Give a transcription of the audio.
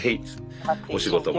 お仕事も。